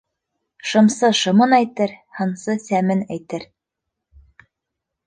Шымсы шымын әйтер, һынсы сәмен әйтер.